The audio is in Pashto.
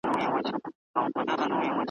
زما په څېر یو ټوپ راواچاوه له پاسه ,